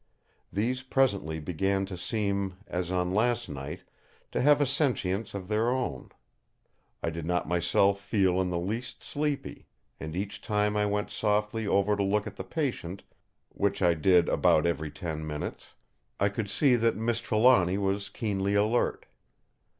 These presently began to seem, as on last night, to have a sentience of their own. I did not myself feel in the least sleepy; and each time I went softly over to look at the patient, which I did about every ten minutes, I could see that Miss Trelawny was keenly alert.